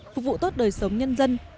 phục vụ tốt đời sống nhân dân